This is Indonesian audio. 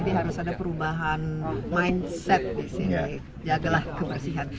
jadi harus ada perubahan mindset disini jagalah kebersihan